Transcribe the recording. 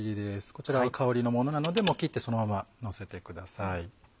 こちらは香りのものなので切ってそのままのせてください。